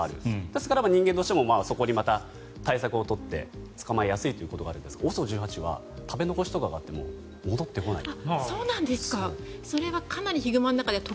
ですから人間としてもまたそこに対策を取って捕まえやすいということがあるんですが、ＯＳＯ１８は食べ残しとかがあっても戻ってこないんですって。